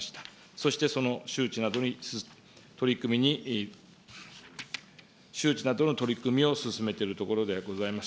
そしてその周知などに周知などの取り組みを進めているところでございます。